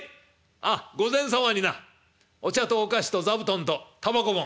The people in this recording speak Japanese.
あっ御前様になお茶とお菓子と座布団とタバコも。